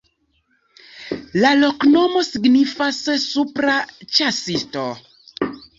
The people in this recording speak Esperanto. La loknomo signifas: supra-ĉasisto.